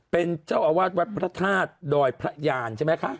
เป็นเจ้าอาวาสวัดพระธาตุดอยพระยานใช่ไหมคะ